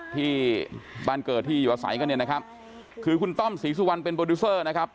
ที่บ้านเกิดที่อยู่อาศัยกันเนี่ยนะครับคือคุณต้อมศรีสุวรรณเป็นโปรดิวเซอร์นะครับ